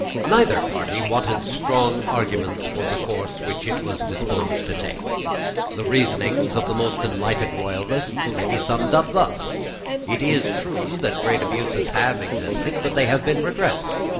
Neither party wanted strong arguments for the course which it was disposed to take. The reasonings of the most enlightened Royalists may be summed up thus: "It is true that great abuses have existed; but they have been redressed.